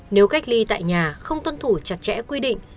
nếu cách ly tại nhà không tuân thủ chặt chẽ quy định